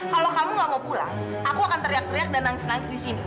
kalau kamu gak mau pulang aku akan teriak teriak dan nangis nangis di sini